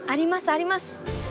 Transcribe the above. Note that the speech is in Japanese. あります！